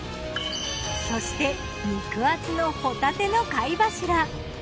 そして肉厚のほたての貝柱。